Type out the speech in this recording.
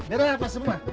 udah lah pak semua